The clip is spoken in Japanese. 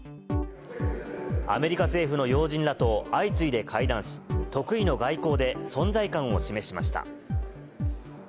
アメリカ政府の要人らと相次いで会談し、得意の外交で存在感を示しました。